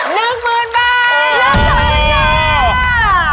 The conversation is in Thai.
พี่แอร์๑หมื่นบาท